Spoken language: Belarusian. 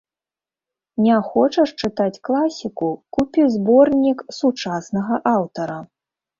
Не хочаш чытаць класіку, купі зборнік сучаснага аўтара.